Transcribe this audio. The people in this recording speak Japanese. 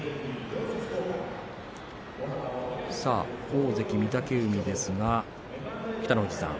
大関御嶽海ですが、北の富士さん